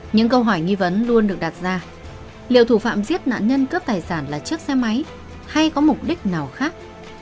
những câu hỏi nghi vấn luôn được đặt ra liệu thủ phạm giết nạn nhân cướp tài sản là chiếc xe máy hay có mục đích nào khác